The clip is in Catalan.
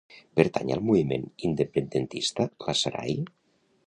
Pertany al moviment independentista la Saray?